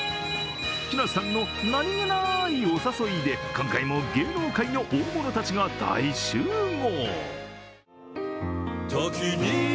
木梨さんの何気ないお誘いで今回も芸能界の大物たちが大集合。